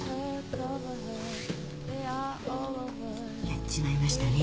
やっちまいましたね